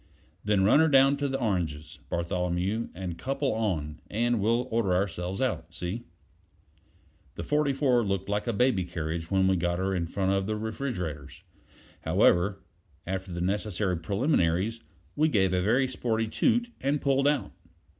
"Then run her down to the oranges, Bartholomew, and couple on, and we'll order ourselves out. See?" The 44 looked like a baby carriage when we got her in front of the refrigerators. However, after the necessary preliminaries, we gave a very sporty toot, and pulled out.